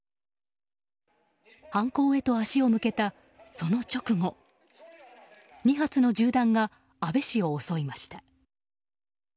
犯行へと足を向けたその直後２発の銃弾が安倍氏を襲いました。